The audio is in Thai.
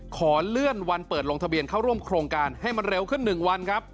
ขอเลื่อนวันเปิดลงทะเบียนเข้าร่วมโครงการให้มันเร็วขึ้น๑วันครับ